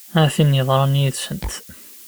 A tin yeḍran yid-sent!